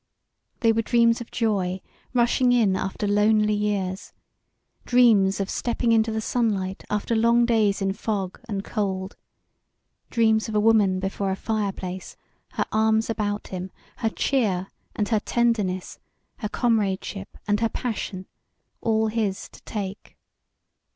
They were dreams of joy rushing in after lonely years, dreams of stepping into the sunlight after long days in fog and cold, dreams of a woman before a fireplace her arms about him, her cheer and her tenderness, her comradeship and her passion all his to take!